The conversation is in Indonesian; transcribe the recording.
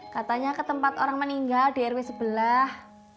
katanya ke tempat orang meninggal di rw sebelah